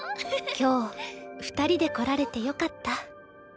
今日二人で来られてよかった。